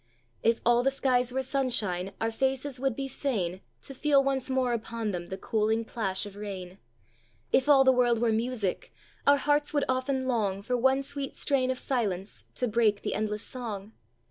"If all the skies were sunshine, Our faces would be fain To feel once more upon them The cooling plash of rain. "If all the world were music, Our hearts would often long For one sweet strain of silence To break the endless song.